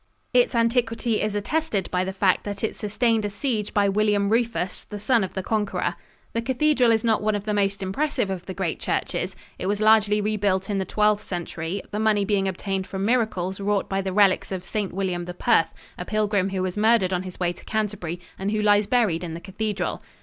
Its antiquity is attested by the fact that it sustained a siege by William Rufus, the son of the Conqueror. The cathedral is not one of the most impressive of the great churches. It was largely rebuilt in the Twelfth Century, the money being obtained from miracles wrought by the relics of St. William of Perth, a pilgrim who was murdered on his way to Canterbury and who lies buried in the cathedral.